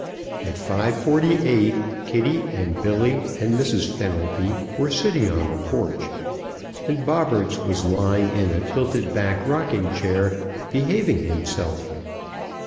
At 5:48 Kitty and Billy and Mrs. Fenelby were sitting on the porch, and Bobberts was lying in a tilted back rocking chair, behaving himself.